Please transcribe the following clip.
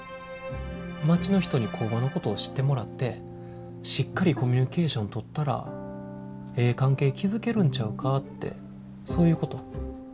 町の人に工場のことを知ってもらってしっかりコミュニケーション取ったらええ関係築けるんちゃうかってそういうこと？